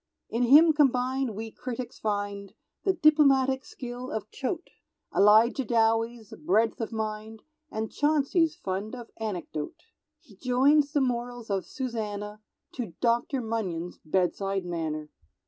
_"] In him combined we critics find The diplomatic skill of Choate, Elijah Dowie's breadth of mind, And Chauncey's fund of anecdote; He joins the morals of Susannah To Dr. Munyon's bedside manner.